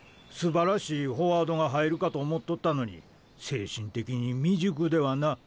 すばらしいフォワードが入るかと思っとったのに精神的に未熟ではな」